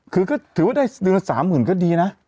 คือก็ถือว่าได้เดือนละ๓๐๐๐ก็ดีนะ